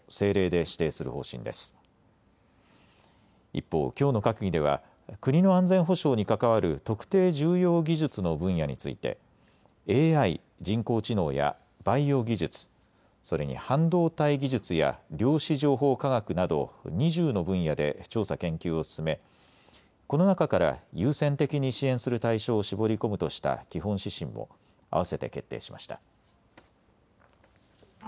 一方、きょうの閣議では国の安全保障に関わる特定重要技術の分野についてＡＩ・人工知能やバイオ技術、それに半導体技術や量子情報科学など２０の分野で調査・研究を進めこの中から優先的に支援する対象を絞り込むとした基本指針を併せて決定しました。